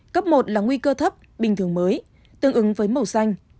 cấp một là nguy cơ thấp bình thường mới tương ứng với màu xanh